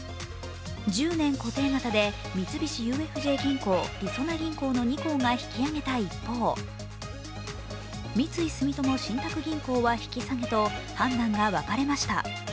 １０年固定型で三菱ＵＦＪ銀行、りそな銀行の２行が引き上げた一方、三井住友信託銀行は引き下げと判断が分かれました。